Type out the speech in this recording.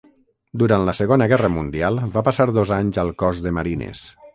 Durant la Segona Guerra Mundial va passar dos anys al Cos de Marines.